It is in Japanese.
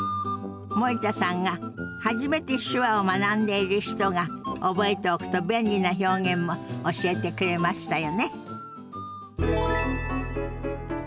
森田さんが初めて手話を学んでいる人が覚えておくと便利な表現も教えてくれましたよね。